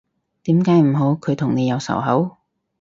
點解唔好，佢同你有仇口？